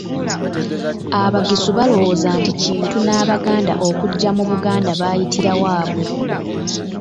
Abagisu balowooza nti Kintu n'Abaganda okujja mu Buganda baayitira waabwe.